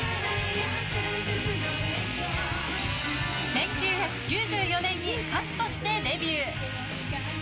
１９９４年に歌手としてデビュー。